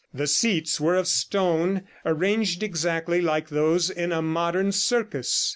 The seats were of stone, arranged exactly like those in a modern circus.